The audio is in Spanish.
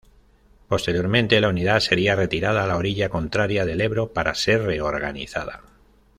Posteriormente la unidad sería retirada a la orilla contraria del Ebro para ser reorganizada.